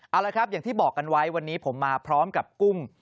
เอาละครับอย่างที่บอกกันไว้วันนี้ผมมาพร้อมกับกุ้ง